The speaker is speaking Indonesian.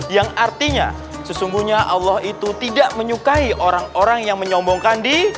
yang artinya sesungguhnya allah itu tidak menyukai orang orang yang menyombongkan diri